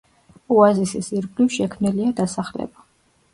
ოაზისის ირგვლივ შექმნილია დასახლება.